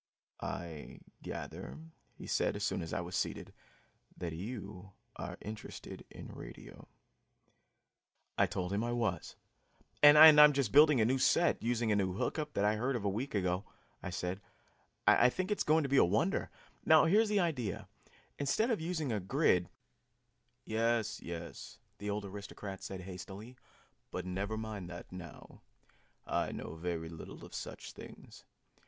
"I gather," he said as soon as I was seated, "that you are interested in radio." I told him I was. "And I'm just building a new set, using a new hook up that I heard of a week ago," I said. "I think it is going to be a wonder. Now, here is the idea: instead of using a grid " "Yes, yes!" the old aristocrat said hastily. "But never mind that now. I know very little of such things.